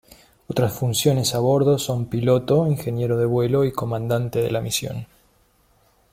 Otras funciones a bordo son piloto, ingeniero de vuelo y comandante de la misión.